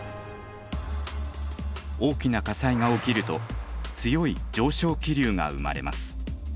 大きな火災が起きると強い上昇気流が生まれます。